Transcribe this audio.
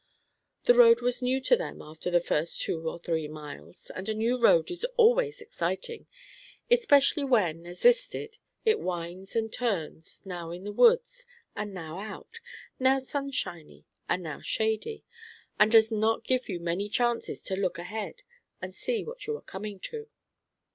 The road was new to them after the first two or three miles, and a new road is always exciting, especially when, as this did, it winds and turns, now in the woods, and now out, now sunshiny, and now shady, and does not give you many chances to look ahead and see what you are coming to.